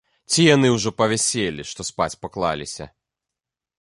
Ці яны ўжо па вяселлі, што спаць паклаліся?